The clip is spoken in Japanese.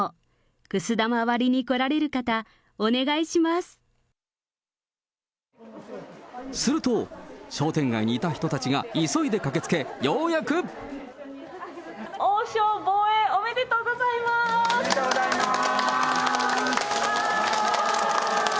くす玉割りに来られる方、すると、商店街にいた人たちが急いで駆けつけ、王将防衛、おめでとうございおめでとうございます。